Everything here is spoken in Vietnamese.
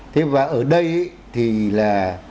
thế và ở đây thì là